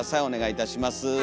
お願いいたします。